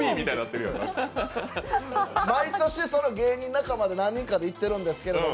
毎年、芸人仲間、何人かでいってるんですけど。